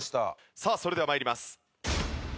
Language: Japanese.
さあそれでは参ります。